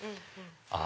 あ！